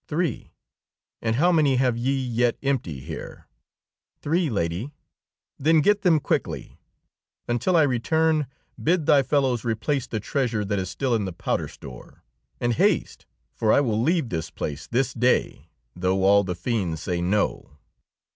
"Three." "And how many have ye yet empty here?" "Three, lady." "Then get them quickly. Until I return, bid thy fellows replace the treasure that is still in the powder store. And haste, for I will leave this place this day, though all the fiends say no."